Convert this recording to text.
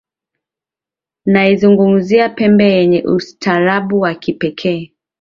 Naizungumzia Pemba yenye ustaarabu wa kipekee